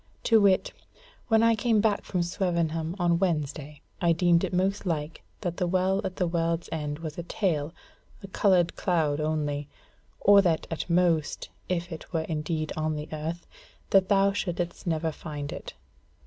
To wit, when I came back from Swevenham on Wednesday I deemed it most like that the Well at the World's End was a tale, a coloured cloud only; or that at most if it were indeed on the earth, that thou shouldest never find it.